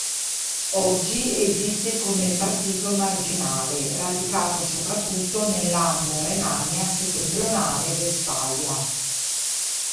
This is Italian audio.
Oggi esiste come partito marginale, radicato soprattutto nel land Renania Settentrionale-Vestfalia.